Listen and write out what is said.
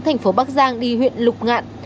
tp bắc giang đi huyện lục ngạn